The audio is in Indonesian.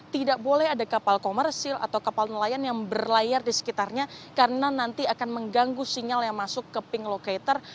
tidak boleh ada kapal komersil atau kapal nelayan yang berlayar di sekitarnya karena nanti akan mengganggu sinyal yang masuk ke ping locator